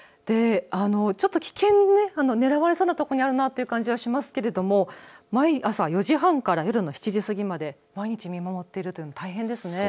ちょっと危険で狙われそうな所にあるなという気はしますが毎朝４時半から夜の７時過ぎまで毎日見守っていると大変ですね。